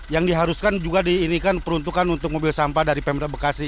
yang diharuskan juga diperuntukkan untuk mobil sampah dari pemprov bekasi